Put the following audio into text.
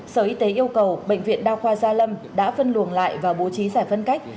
sở y tế yêu cầu bệnh viện đa khoa gia lâm đã phân luồng lại và bố trí giải phân cách